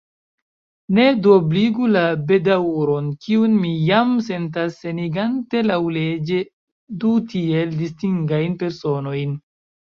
Ne duobligu la bedaŭron, kiun mi jam sentas senigante laŭleĝe du tiel distingajn personojn.